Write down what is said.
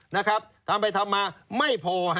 ทำไปทำมาไม่พอ